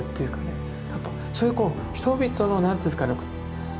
やっぱそういうこう人々の何て言うんですかね